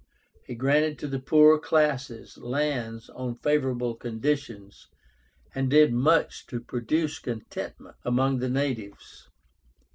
He granted to the poorer classes lands on favorable conditions, and did much to produce contentment among the natives.